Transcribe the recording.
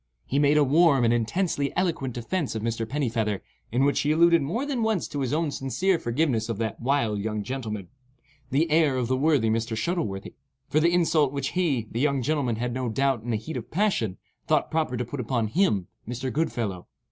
He made a warm and intensely eloquent defence of Mr. Pennifeather, in which he alluded more than once to his own sincere forgiveness of that wild young gentleman—"the heir of the worthy Mr. Shuttleworthy,"—for the insult which he (the young gentleman) had, no doubt in the heat of passion, thought proper to put upon him (Mr. Goodfellow).